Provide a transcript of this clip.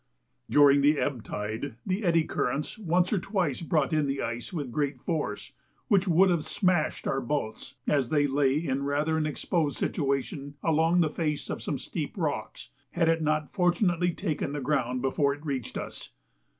During the ebb tide the eddy currents once or twice brought in the ice with great force, which would have smashed our boats, as they lay in rather an exposed situation along the face of some steep rocks, had it not fortunately taken the ground before it reached us.